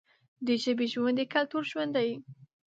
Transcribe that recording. د ژبې ژوند د کلتور ژوند دی.